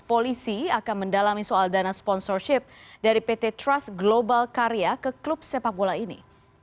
polisi akan mendalami soal dana sponsorship dari pt trust global karya ke klub sepak bola ini